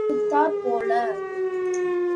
ஆனைக்கு ஆனை கைகொடுத்தாற் போல.